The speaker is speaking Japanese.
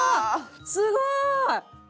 すごい！